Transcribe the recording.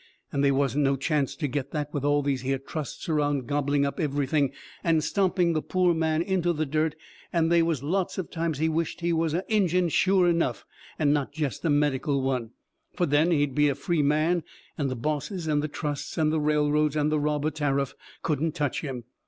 And they wasn't no chancet to get that with all these here trusts around gobbling up everything and stomping the poor man into the dirt, and they was lots of times he wisht he was a Injun sure enough, and not jest a medical one, fur then he'd be a free man and the bosses and the trusts and the railroads and the robber tariff couldn't touch him.